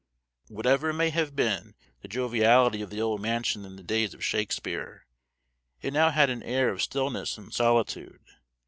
Whatever may have been the joviality of the old mansion in the days of Shakespeare, it had now an air of stillness and solitude.